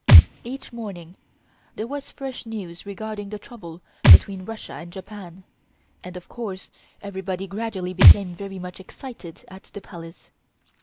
Each morning there was fresh news regarding the trouble between Russia and Japan, and of course everybody gradually became very much excited at the Palace.